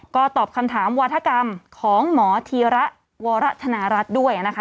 ก็ตอบคำถามวาธกรรมของหมอธีระวรธนรัฐด้วยนะคะ